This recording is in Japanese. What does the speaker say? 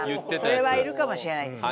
これはいるかもしれないですね。